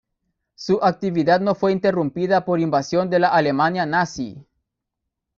Su actividad no fue interrumpida por invasión de la Alemania Nazi.